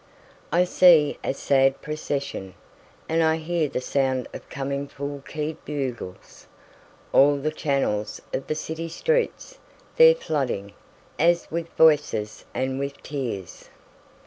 3I see a sad procession, And I hear the sound of coming full key'd bugles; All the channels of the city streets they're flooding, As with voices and with tears.